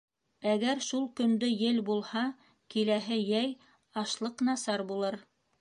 Әгәр шул көндө ел булһа, киләһе йәй ашлыҡ насар булыр.